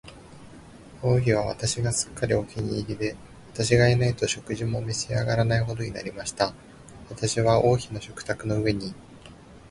王妃は私がすっかりお気に入りで、私がいないと食事も召し上らないほどになりました。私は王妃の食卓の上に、